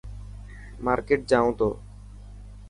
مارڪيٽ جائون تو.